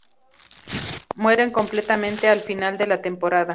Mueren completamente al final de la temporada.